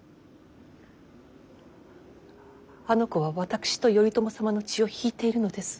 あの子は私と頼朝様の血を引いているのです。